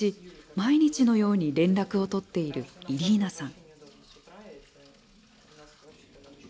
毎日のように連絡を取っているイリーナさん。